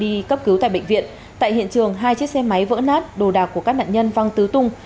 đi cấp cứu tại bệnh viện tại hiện trường hai chiếc xe máy vỡ nát đồ đạc của các nạn nhân văng tứ tung